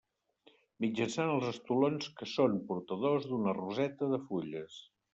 Mitjançant els estolons que són portadors d'una roseta de fulles.